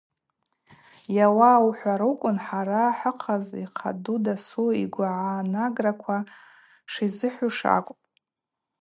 Йауа ухӏварыквын, хӏара хӏыхъаз йхъаду дасу йгвгӏанаграква шизыхӏвуш акӏвпӏ.